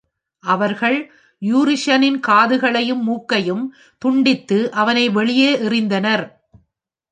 அவர்கள் யூரிஷனின் காதுகளையும் மூக்கையும் துண்டித்து அவனை வெளியே எறிந்தனர்.